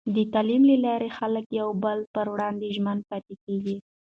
د تعلیم له لارې، خلک د یو بل پر وړاندې ژمن پاتې کېږي.